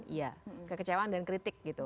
iya kekecewaan dan kritik gitu